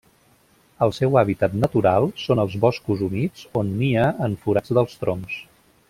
El seu hàbitat natural són els boscos humits, on nia en forats dels troncs.